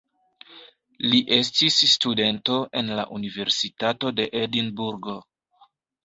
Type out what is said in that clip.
Li estis studento en la universitato de Edinburgo.